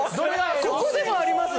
ここでもあります？